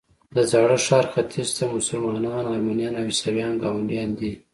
د زاړه ښار ختیځ ته مسلمانان، ارمنیان او عیسویان ګاونډیان دي.